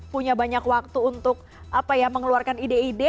dua ribu dua puluh punya banyak waktu untuk mengeluarkan ide ide